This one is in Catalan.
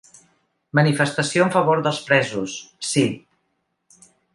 Manifestació en favor dels presos, sí.